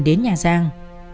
đến nhà giang